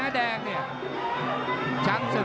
แล้วทีมงานน่าสื่อ